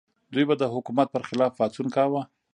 دوی به د حکومت پر خلاف پاڅون کاوه.